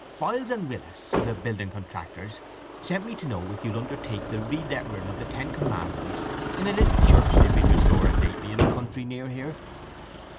… Biles and Willis, the building contractors, sent me to know if you'll undertake the relettering of the ten commandments in a little church they've been restoring lately in the country near here."